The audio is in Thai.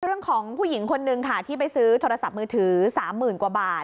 เรื่องของผู้หญิงคนนึงค่ะที่ไปซื้อโทรศัพท์มือถือ๓๐๐๐กว่าบาท